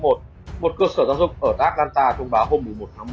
một cơ sở giáo dục ở giorta thông báo hôm một mươi một tháng một